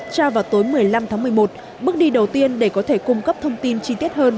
tra vào tối một mươi năm tháng một mươi một bước đi đầu tiên để có thể cung cấp thông tin chi tiết hơn